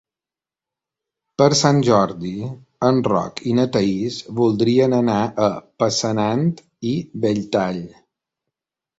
Per Sant Jordi en Roc i na Thaís voldrien anar a Passanant i Belltall.